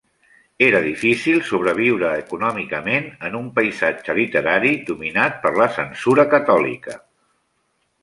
Era difícil sobreviure econòmicament en un paisatge literari dominat per la censura catòlica.